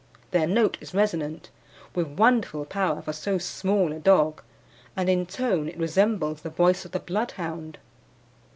Their note is resonant, with wonderful power for so small a dog, and in tone it resembles the voice of the Bloodhound.